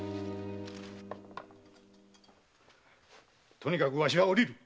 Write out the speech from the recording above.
とにかくわしはおりる！